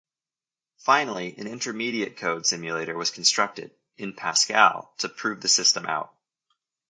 Finally, an intermediate code simulator was constructed, in Pascal, to prove the system out.